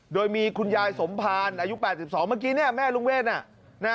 โดยมีคุณยายสมภารอายุ๘๒เมื่อกี้เนี่ยแม่ลุงเวท